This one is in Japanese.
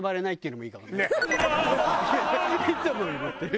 いつもいるっていう。